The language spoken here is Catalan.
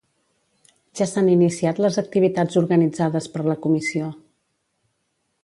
Ja s'han iniciat les activitats organitzades per la comissió.